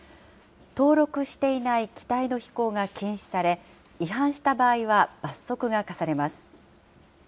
登録していない機体の飛行が禁止され、違反した場合は罰則が科されます。